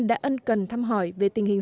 đã ân cần thăm hỏi về tình hình